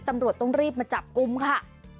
ตำรวจต้องรีบมาจับกลุ่มค่ะ